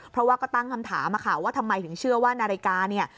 เพราะว่าก็ตั้งคำถามค่ะว่าทำไมถึงเชื่อว่านาฬิกาเนี่ย